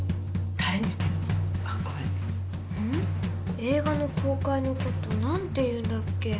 映画の公開のこと何て言うんだっけ？